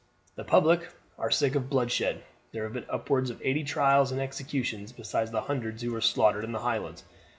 The public are sick of bloodshed. There have been upwards of eighty trials and executions, besides the hundreds who were slaughtered in the Highlands.